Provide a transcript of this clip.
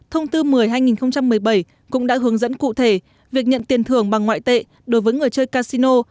thông tư một mươi hai nghìn một mươi bảy cũng đã hướng dẫn cụ thể việc nhận tiền thưởng bằng ngoại tệ đối với người chơi casino